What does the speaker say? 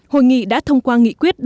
hội nghị đã thông qua nghị quyết